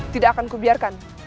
tidak akan kubiarkan